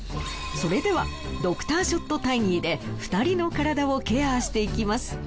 それではドクターショットタイニーで２人の体をケアしていきます。